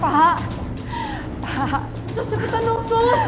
pa sus segitu dong sus